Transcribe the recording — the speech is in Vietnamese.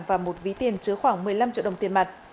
và một ví tiền chứa khoảng một mươi năm triệu đồng tiền mặt